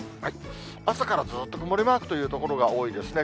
朝からずっと曇りマークという所が多いですね。